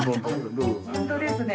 本当ですね。